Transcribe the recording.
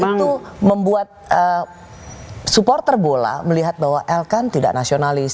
dan itu membuat supporter bola melihat bahwa elkan tidak nasionalis